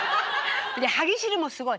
歯ぎしりもすごい。